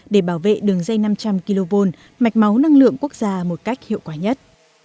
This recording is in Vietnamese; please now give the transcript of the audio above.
để bảo vệ đường dây năm trăm linh kv mạch máu năng lượng quốc gia một cách hiệu quả nhất